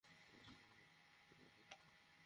নিয়ে যেতে পারবেন।